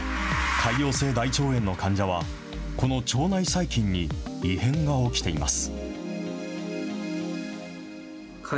潰瘍性大腸炎の患者は、この腸内細菌に異変が起きています。